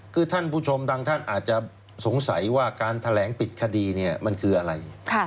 คือท่านผู้ชมบางท่านอาจจะสงสัยว่าการแถลงปิดคดีเนี่ยมันคืออะไร